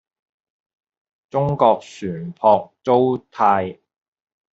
中國船舶租賃